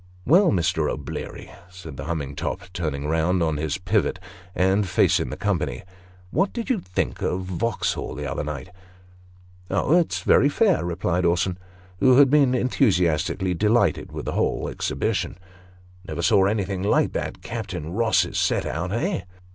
" Well, Mr. O'Bleary," said the humming top, turning round on his pivot, and facing the company, " what did you think of Va'uxhall the other night ?"" Oh, it's very fair," replied Orson, who had been enthusiastically delighted with the whole exhibition. " Never saw anything like that Captain Ross's set out eh